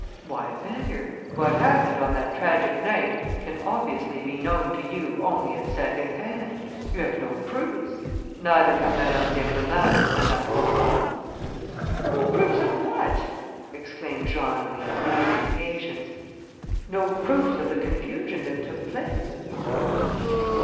"Why better? What happened on that tragic night can obviously be known to you only at secondhand. You have no proofs. Neither have Madame d'Imbleval and Madame Vaurois." "No proofs of what?" exclaimed Jean Louis, losing patience. "No proofs of the confusion that took place."